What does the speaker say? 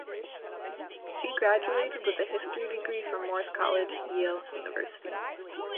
She graduated with a history degree from Morse College, Yale University.